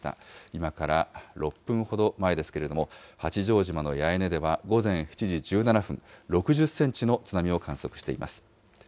今から６分ほど前ですけれども、八丈島の八重根では午前７時１７分、６０センチの津波を観測しています。